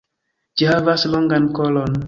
Ĝi havas longan kolon.